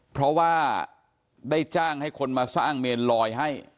เพราะว่าได้จ้างให้คนมาสร้างเมนลอยให้